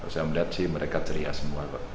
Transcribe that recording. saya melihat sih mereka ceria semua pak